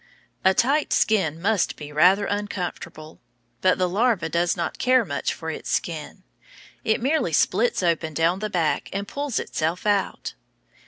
A tight skin must be rather uncomfortable. But the larva does not care much for its skin. It merely splits it open down the back and pulls itself out.